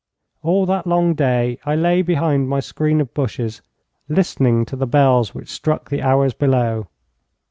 All that long day I lay behind my screen of bushes, listening to the bells which struck the hours below.